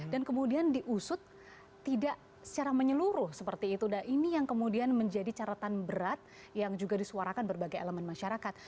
dan kemudian diusut tidak secara menyeluruh seperti itu nah ini yang kemudian menjadi caratan berat yang juga disuarakan berbagai elemen masyarakat